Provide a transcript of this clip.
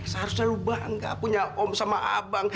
seharusnya lu bangga punya om sama abang